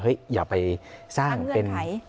เฮ้ยอย่าไปสร้างเงื่อนไข